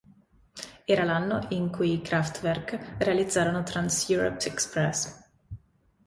Era l'anno in cui i Kraftwerk realizzarono Trans-Europe Express.